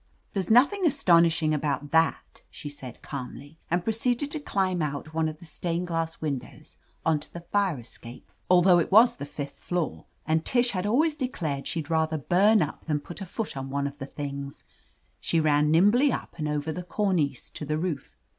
"There's nothing astonishing about that !" she said calmly, and proceeding to climb out one of the stained glass windows on to the fire escape — although it was the fifth floor and Tish had always declared she'd rather bum up than put a foot on one of the things — she ran nimbly up and over the cornice to the roof.